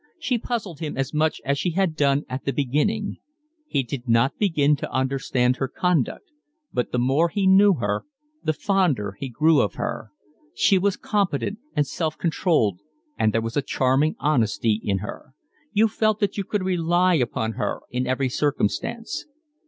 She puzzled him as much as she had done at the beginning. He did not begin to understand her conduct; but the more he knew her the fonder he grew of her; she was competent and self controlled, and there was a charming honesty in her: you felt that you could rely upon her in every circumstance.